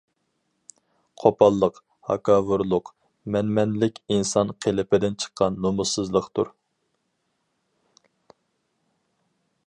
قوپاللىق، ھاكاۋۇرلۇق، مەنمەنلىك ئىنسان قېلىپىدىن چىققان نومۇسسىزلىقتۇر.